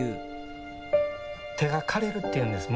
手が枯れるっていうんです。